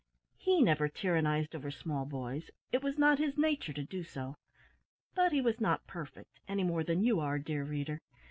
He never tyrannised over small boys. It was not his nature to do so; but he was not perfect, any more than you are, dear reader.